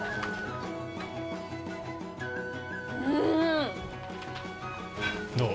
うん！どう？